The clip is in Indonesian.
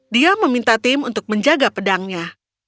dia meminta tim untuk menjaga pedangnya